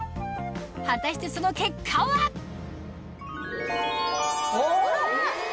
果たしてその結果はうわっ！